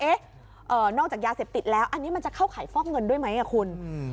นอกจากยาเสพติดแล้วอันนี้มันจะเข้าขายฟอกเงินด้วยไหมคุณ